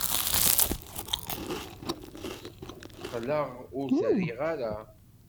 Qqleɣ ur t-riɣ ara.